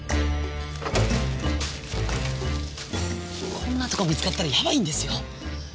こんなとこ見つかったらやばいんですよ！